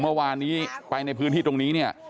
เมื่อวานนี้ไปในพื้นที่ตรงนี้เนี่ย